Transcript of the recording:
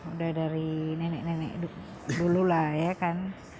udah dari nenek nenek dulu lah ya kan